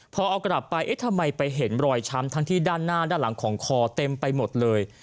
พอเอากลับไปเอ๊ะทำไมไปเห็นรอยช้ำทั้งที่ด้านหน้าด้านหลังของคอเต็มไปหมดเลย